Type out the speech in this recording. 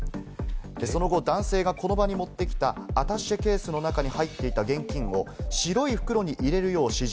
その後、男性がこの場に持ってきたアタッシェケースの中に入っていた現金を白い袋に入れるよう指示。